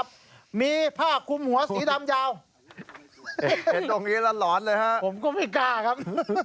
ผมก็ไม่กล้าครับ